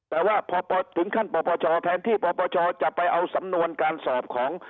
แต่ว่าพอถึงขั้นปปชแทนที่ปปชจะไปเอาสำนวนการสอบของ